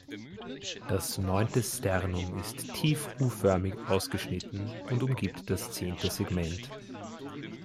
Das neunte Sternum ist tief u-förmig ausgeschnitten und umgibt das zehnte Segment.